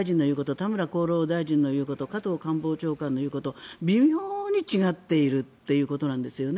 田村厚労大臣の言うこと加藤官房長官の言うこと微妙に違っているということなんですよね。